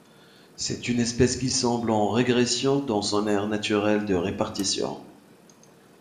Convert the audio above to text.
C'est une espèce qui semble en régression dans son aire naturelle de répartition.